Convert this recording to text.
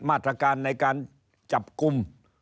มาตรการในการจับกลุ่ม